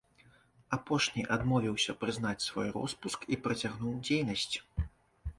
Апошні адмовіўся прызнаць свой роспуск і працягнуў дзейнасць.